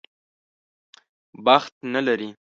بخت نه لري.